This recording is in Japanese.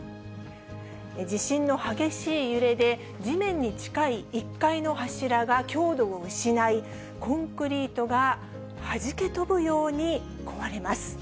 地震の激しい揺れで、地面に近い１階の柱が強度を失い、コンクリートがはじけ飛ぶように壊れます。